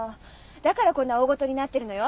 だからこんな大ごとになってるのよ！